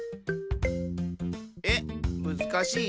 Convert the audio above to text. えっ？むずかしい？